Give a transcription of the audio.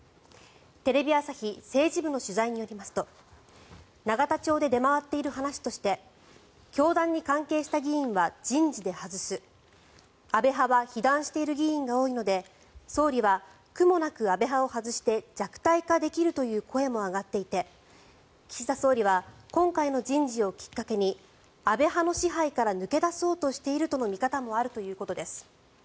テレビ朝日政治部の取材によりますと永田町で出回っている話として教団に関係した議員は人事で外す安倍派は被弾している議員が多いので総理は苦もなく安倍派を外して弱体化できるという声も上がっていて岸田総理は今回の人事をきっかけに安倍派の支配から抜け出そうとしているとの見方もあるということです。